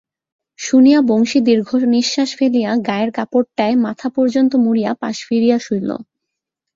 শুনিয়া বংশী দীর্ঘনিশ্বাস ফেলিয়া গায়ের কাপড়টায় মাথা পর্যন্ত মুড়িয়া পাশ ফিরিয়া শুইল।